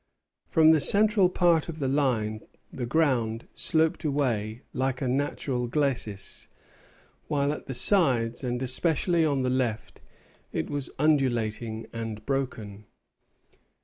From the central part of the line the ground sloped away like a natural glacis; while at the sides, and especially on the left, it was undulating and broken.